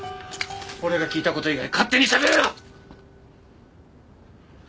俺が聞いた事以外勝手にしゃべるな！